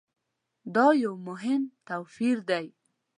دا یو ډېر مهم توپیر دی.